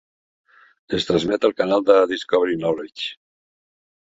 Es transmet al canal de Discovery Knowledge.